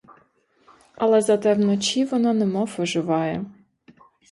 Але зате вночі вона немов оживає.